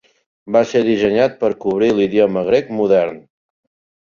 Va ser dissenyat per cobrir l'idioma grec modern.